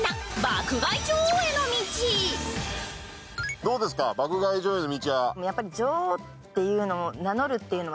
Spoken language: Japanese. どうですか、「爆買い女王への道」は。